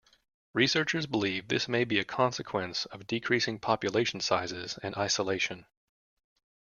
Researchers believe this may be a consequence of decreasing population sizes and isolation.